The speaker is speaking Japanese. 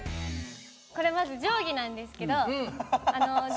これまず定規なんですけど定規で。